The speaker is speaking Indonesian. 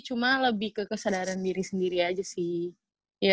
cuma lebih ke kesadaran diri sendiri aja sih